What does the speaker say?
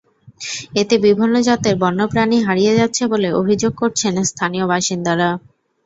এতে বিভিন্ন জাতের বন্য প্রাণী হারিয়ে যাচ্ছে বলে অভিযোগ করছেন স্থানীয় বাসিন্দারা।